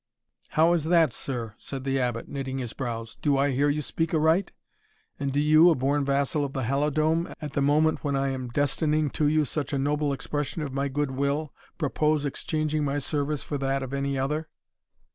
"How is that, sir?" said the Abbot, knitting his brows; "do I hear you speak aright? and do you, a born vassal of the Halidome, at the moment when I am destining to you such a noble expression of my good will, propose exchanging my service for that of any other?"